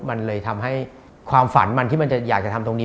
มันเลยทำให้ความฝันมันที่มันจะอยากจะทำตรงนี้